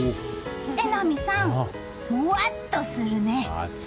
榎並さん、もわっとするね。